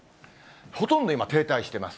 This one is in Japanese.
ほとんど今、停滞してます。